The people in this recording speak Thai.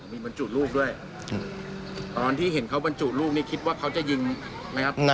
มีบรรจุลูกด้วยตอนที่เห็นเขาบรรจุลูกนี่คิดว่าเขาจะยิงไหมครับ